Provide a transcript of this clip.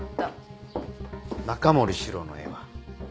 中森司郎の絵は？